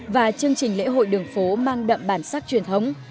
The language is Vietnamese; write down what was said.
và chương trình lễ hội đường phố mang đậm bản sắc truyền thống